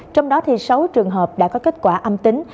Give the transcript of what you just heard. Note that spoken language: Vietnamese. trong đó sáu trường hợp đã có kết quả âm tính